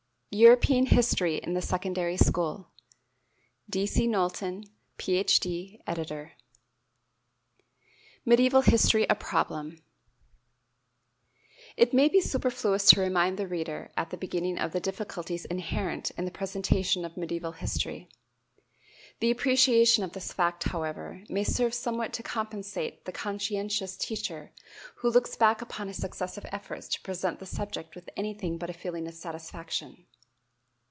European History in the Secondary School D. C. KNOWLTON, PH.D., Editor. Medieval History a Problem. It may be superfluous to remind the reader at the beginning of the difficulties inherent in the presentation of medieval history. The appreciation of this fact, however, may serve somewhat to compensate the conscientious teacher who looks back upon his successive efforts to present the subject with anything but a feeling of satisfaction.